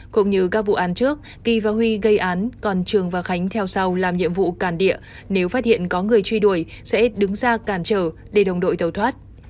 cũng như các vụ án trước kỳ và huy gây án còn trường và khánh theo sau làm nhiệm vụ càn địa nếu phát hiện có người truy đuổi sẽ đứng ra càn trở để đồng đội tàu thoát